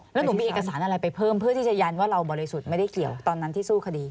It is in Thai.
แล้วหนูมีเอกสารอะไรไปเพิ่มเพื่อที่จะยันว่าเราบริสุทธิ์ไม่ได้เกี่ยวตอนนั้นที่สู้คดี